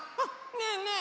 ねえねえ